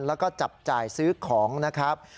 แล้วก็จับจ่ายซื้อของนะครับ